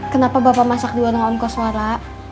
kenapa bapak masak di warung om koswara